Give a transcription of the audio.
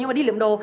nhưng mà đi lượm đồ